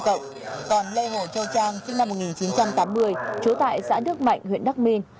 còn lê hồ châu trang sinh năm một nghìn chín trăm tám mươi trú tại xã đức mạnh huyện đắc minh